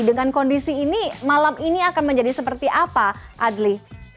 dengan kondisi ini malam ini akan menjadi seperti apa adli